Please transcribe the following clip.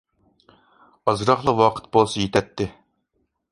ئازراقلا ۋاقىت بولسا يېتەتتى.